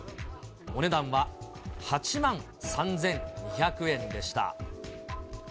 お値段は８万３２００円でした。